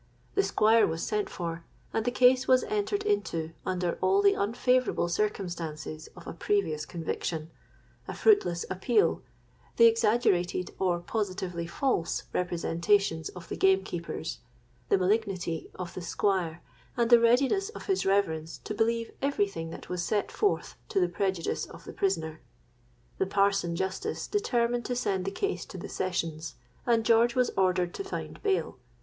The Squire was sent for, and the case was entered into under all the unfavourable circumstances of a previous conviction—a fruitless appeal—the exaggerated or positively false representations of the gamekeepers—the malignity of the Squire, and the readiness of his Reverence to believe every thing that was set forth to the prejudice of the prisoner. The parson justice determined to send the case to the Sessions; and George was ordered to find bail.